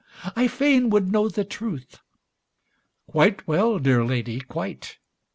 I fain Would know the truth." "Quite well, dear Lady, quite."